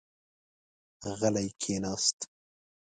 غلی کېناست.